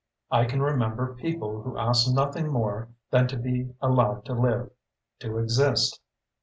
I can remember people who asked nothing more than to be allowed to live to exist.